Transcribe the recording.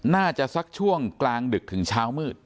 สักช่วงกลางดึกถึงเช้ามืด